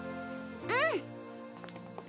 うん！